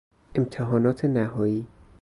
امتحانات نهایی